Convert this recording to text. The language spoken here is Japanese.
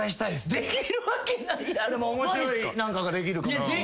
でも面白い何かができるかも。